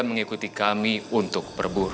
mengikuti kami untuk berburu